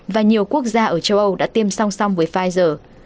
và nhiều quốc gia ở châu âu đã tiêm song song với pfizer